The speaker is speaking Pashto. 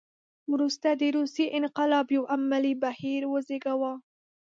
وروسته د روسیې انقلاب یو عملي بهیر وزېږاوه.